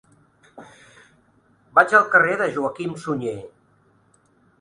Vaig al carrer de Joaquim Sunyer.